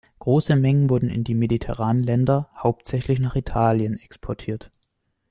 Große Mengen wurden in die mediterranen Länder, hauptsächlich nach Italien, exportiert.